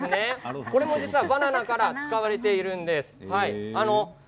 これもバナナから作られているんです。